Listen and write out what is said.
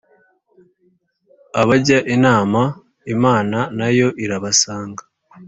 abajya inama imana nayo irabasanga